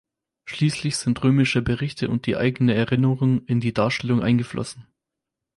Schließlich sind römische Berichte und die eigene Erinnerung in die Darstellung eingeflossen.